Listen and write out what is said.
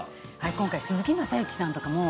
今回鈴木雅之さんとかも。